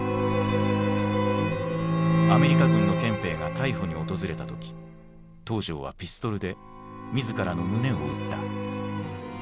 アメリカ軍の憲兵が逮捕に訪れた時東条はピストルで自らの胸を撃った。